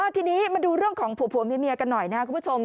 ทีนี้มาดูเรื่องของผัวเพื่อนเมียกันหน่อยคุณผู้ชม